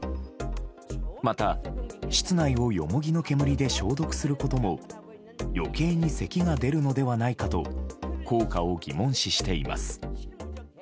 また、室内をヨモギの煙で消毒することも余計にせきが出るのではないかと効果を疑問視しています。